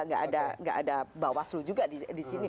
nggak ada bawaslu juga di sini